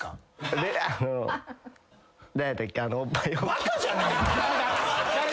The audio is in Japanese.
バカじゃないの。